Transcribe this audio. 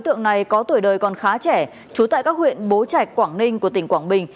công an thành phố đồng hới còn khá trẻ chú tại các huyện bố trạch quảng ninh của tỉnh quảng bình